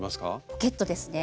ポケットですね。